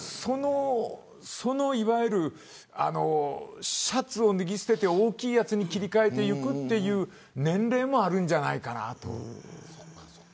そのシャツを脱ぎ捨てて大きいやつに切り替えるという年齢もあるんじゃないかな。